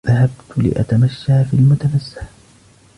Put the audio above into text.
ذهبت لأتمشى في المتنزه.